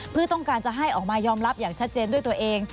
เพื่อต้องการจะให้ออกมายอมรับอย่างชัดเจนด้วยตัวเอง